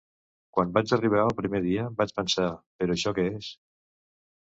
Quan vaig arribar el primer dia vaig pensar: “Però això què és?”